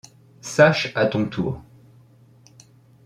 Sache à ton tour.